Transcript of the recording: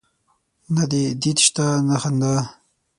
نه دي دید سته نه خندا